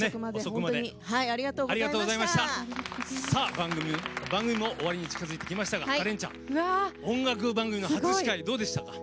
番組も終わりに近づいてきましたがカレンちゃん、音楽番組の初司会どうでしたか？